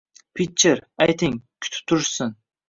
Pitcher, ayting, kutib turishsin